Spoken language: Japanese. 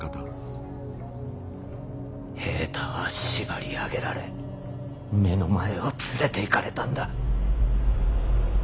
平太は縛り上げられ目の前を連れていかれたんだ。